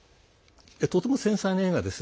とても繊細な映画です。